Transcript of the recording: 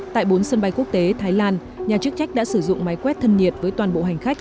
tại bốn sân bay quốc tế thái lan nhà chức trách đã sử dụng máy quét thân nhiệt với toàn bộ hành khách